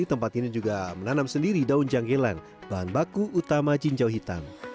tempat ini juga menanam sendiri daun janggelan bahan baku utama jinjau hitam